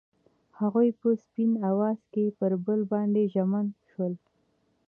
هغوی په سپین اواز کې پر بل باندې ژمن شول.